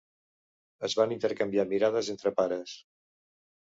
Es van intercanviar mirades entre pares.